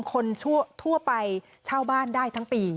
คนทั่วไปเช่าบ้านได้ทั้งปี